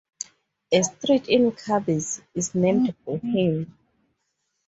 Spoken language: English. A street in Cadiz is named for him.